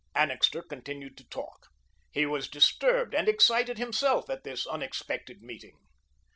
Annixter continued to talk. He was disturbed and excited himself at this unexpected meeting.